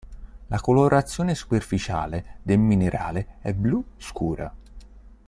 La colorazione superficiale del minerale è blu scura.